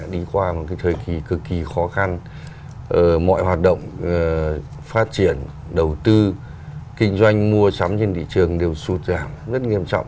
vì khó khăn mọi hoạt động phát triển đầu tư kinh doanh mua sắm trên thị trường đều sụt giảm rất nghiêm trọng